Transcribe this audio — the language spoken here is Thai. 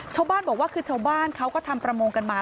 ชาวบ้านบอกว่าคือชาวบ้านเขาก็ทำประมงกันมา